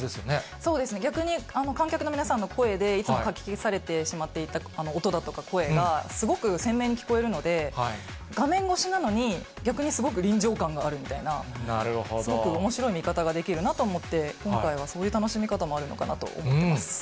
そうですね、逆に観客の皆さんの声でいつもかき消されてしまっていた音だとか声が、すごく鮮明に聞こえるので、画面越しなのに、逆にすごく臨場感があるみたいな、すごくおもしろい見方ができるなと思って今回はそういう楽しみ方もあるのかなと思います。